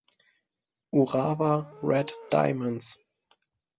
Urawa Red Diamonds